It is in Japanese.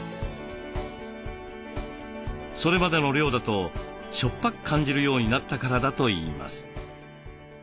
それまでの量だとしょっぱく感じるようになったからだといいます。